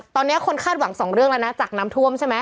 ตอนนี้คนคาดหวังสองเรื่องแล้วนะจากน้ำท่วมใช่ไหม